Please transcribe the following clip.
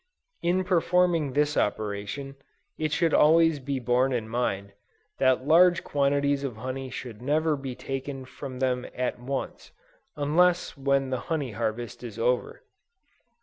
In performing this operation, it should always be borne in mind, that large quantities of honey should never be taken from them at once, unless when the honey harvest is over.